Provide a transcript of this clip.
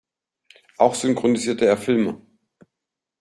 Auch synchronisierte er Filme.